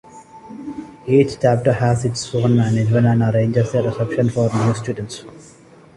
Each chapter has its own management and arranges a reception for new students.